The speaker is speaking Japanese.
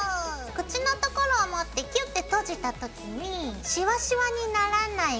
口のところを持ってキュって閉じた時にしわしわにならないぐらいまで。